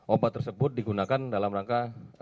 obat tersebut digunakan dalam rangka